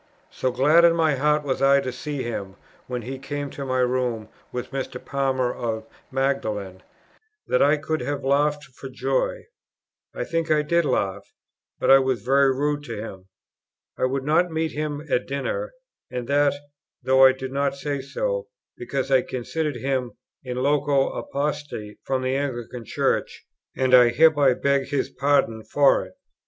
So glad in my heart was I to see him, when he came to my rooms with Mr. Palmer of Magdalen, that I could have laughed for joy; I think I did laugh; but I was very rude to him, I would not meet him at dinner, and that, (though I did not say so,) because I considered him "in loco apostatæ" from the Anglican Church, and I hereby beg his pardon for it.